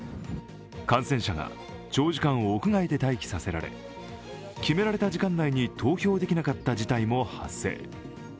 感染者が長時間屋外で待機させられ決められた時間内に投票できなかった事態も発生。